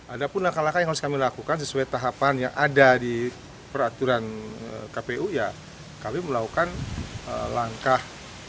ada pun langkah langkah yang harus kami lakukan sesuai tahapan yang ada di peraturan kpu ya kami melakukan langkah